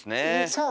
そう。